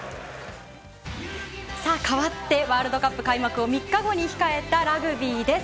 かわってワールドカップ開幕を３日後に控えたラグビーです。